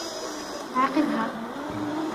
عاقبها.